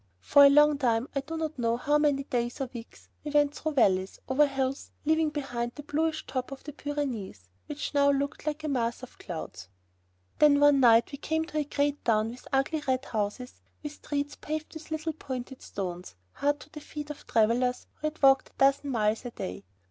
For a long time, I do not know how many days or weeks, we went through valleys, over hills, leaving behind the bluish top of the Pyrenees, which now looked like a mass of clouds. Then one night we came to a great town with ugly red brick houses and with streets paved with little pointed stones, hard to the feet of travelers who had walked a dozen miles a day.